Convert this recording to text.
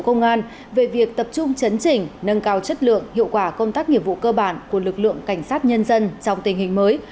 công an về việc tập trung chấn chỉnh nâng cao chất lượng hiệu quả công tác nghiệp vụ cơ bản của lực lượng cảnh sát nhân dân trong tình hình mới